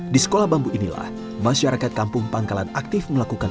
di sekolah bambu inilah masyarakat kampung pangkalan aktif melakukan